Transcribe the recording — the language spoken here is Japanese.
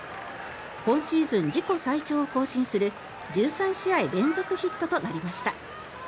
今シーズン自己最長を更新する１３試合連続ヒットとなりました。